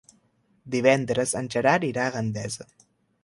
Divendres en Gerard irà a Gandesa.